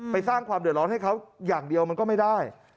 สร้างความเดือดร้อนให้เขาอย่างเดียวมันก็ไม่ได้